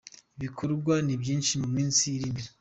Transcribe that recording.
Ibikorwa ni byinshi mu minsi iri imbere.